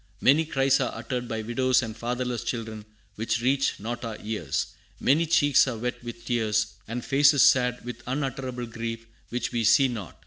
Many cries are uttered by widows and fatherless children which reach not our ears. Many cheeks are wet with tears, and faces sad with unutterable grief, which we see not.